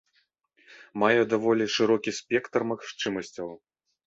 Мае даволі шырокі спектр магчымасцяў.